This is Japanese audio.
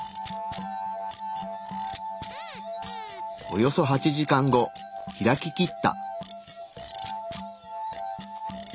およそ８時間後開ききった。